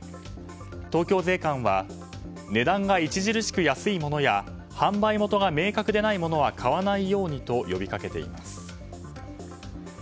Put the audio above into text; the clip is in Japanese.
東京税関は値段が著しく安いものや販売元が明確ではないものは買わないようにと呼びかけています。